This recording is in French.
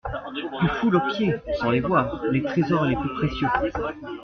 Tu foules aux pieds, sans les voir, les trésors les plus précieux.